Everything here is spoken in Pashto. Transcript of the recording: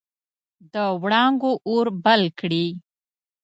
د وړانګو اور بل کړي